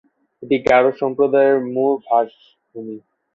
এটি গারো সম্প্রদায়ের মূল বাসভূমি।